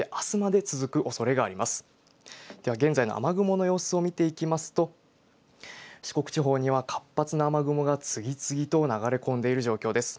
では現在の雨雲の様子を見ていきますと、四国地方には活発な雨雲が次々と流れ込んでいる状況です。